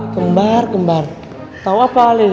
kembar kembar tau apa ali